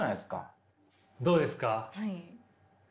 どうですか？